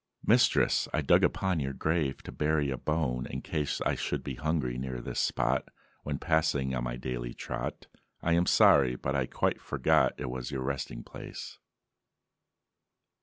"Mistress, I dug upon your grave To bury a bone, in case I should be hungry near this spot When passing on my daily trot. I am sorry, but I quite forgot It was your resting place."